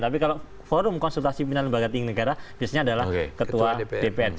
tapi kalau forum konsultasi pimpinan lembaga tinggi negara biasanya adalah ketua dpr